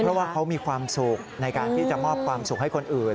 เพราะว่าเขามีความสุขในการที่จะมอบความสุขให้คนอื่น